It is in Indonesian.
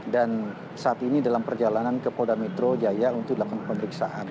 dan saat ini dalam perjalanan ke pol dametre jaya untuk dilakukan pemeriksaan